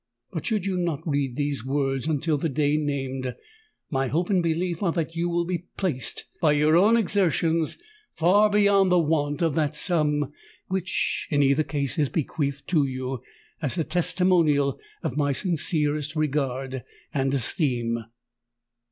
But should you not read these words until the day named, my hope and belief are that you will be placed, by your own exertions, far beyond the want of that sum which, in either case, is bequeathed to you as a testimonial of my sincerest regard and esteem.